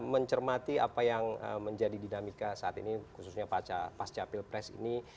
mencermati apa yang menjadi dinamika saat ini khususnya pasca pilpres ini